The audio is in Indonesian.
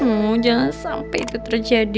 hmm jangan sampai itu terjadi